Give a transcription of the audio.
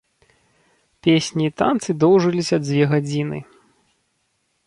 Песні і танцы доўжыліся дзве гадзіны.